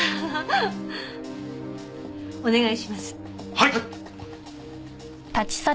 はい！